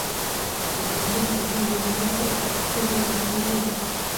A glass of water and a taper are put on the table.